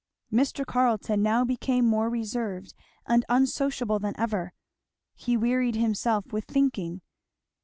Mr. Carleton now became more reserved and unsociable than ever. He wearied himself with thinking.